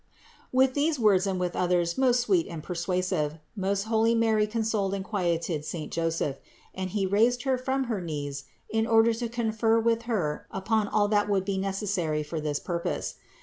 With these words and others most sweet and persuasive most holy Mary consoled and quieted saint Joseph, and he raised Her from her knees in order to confer with Her upon all that would be necessary for this purpose.